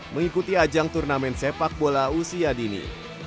mengikuti ajang turnamen sepak bola usia dini